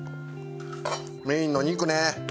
メインのお肉ね！